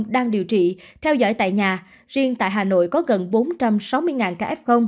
đang điều trị theo dõi tại nhà riêng tại hà nội có gần bốn trăm sáu mươi ca f